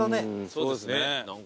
そうですね。